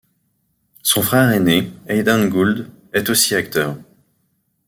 Son frère aîné, Aidan Gould, est aussi acteur.